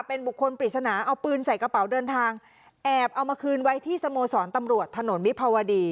เป็นบุคคลปริศนาเอาปืนใส่กระเป๋าเดินทางแอบเอามาคืนไว้ที่สโมสรตำรวจถนนวิภาวดี